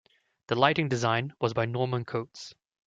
The Lighting Design was by Norman Coates.